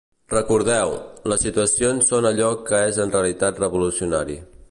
Recordeu: les situacions són allò que és en realitat revolucionari.